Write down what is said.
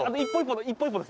一歩一歩で。